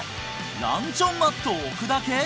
ランチョンマットを置くだけ！？